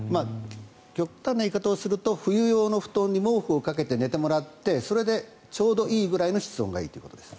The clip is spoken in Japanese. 極端な言い方をすると冬用の布団に毛布をかけて寝てもらってそれでちょうどいいぐらいの室温がいいということです。